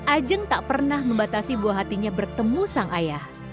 ajeng tak pernah membatasi buah hatinya bertemu sang ayah